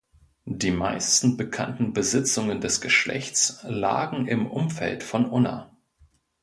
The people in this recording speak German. Die meisten bekannten Besitzungen des Geschlecht lagen im Umfeld von Unna.